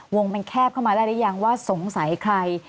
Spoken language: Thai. วงมันแคบเข้ามาได้หรือยังว่าสงสัยใคร